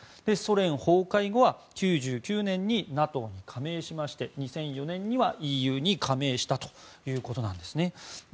ソ連崩壊後は９９年にＮＡＴＯに加盟しまして２００４年にはＥＵに加盟したということなんですね。